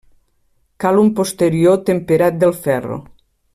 Cal un posterior temperat del ferro.